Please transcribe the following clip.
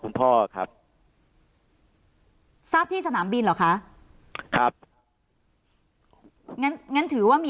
พ่อครับทราบที่สนามบินเหรอคะครับงั้นงั้นถือว่ามี